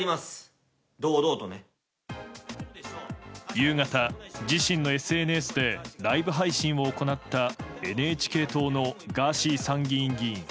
夕方、自身のＳＮＳでライブ配信を行ったＮＨＫ党のガーシー参議院議員。